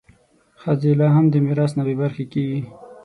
ښځې لا هم د میراث نه بې برخې کېږي.